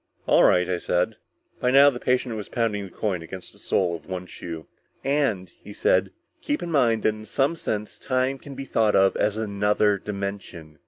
"All right," I said. By now the patient was pounding the coin against the sole of one shoe. "And," he said, "keep in mind that in some sense time can be thought of as another dimension."